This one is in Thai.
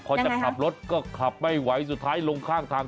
พอจะขับรถก็ขับไม่ไหวสุดท้ายลงข้างทาง